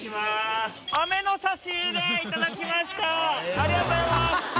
ありがとうございます！